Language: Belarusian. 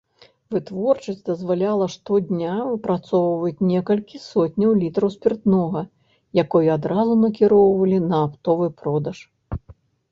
Вытворчасць дазваляла штодня выпрацоўваць некалькі сотняў літраў спіртнога, якое адразу накіроўвалі на аптовы продаж.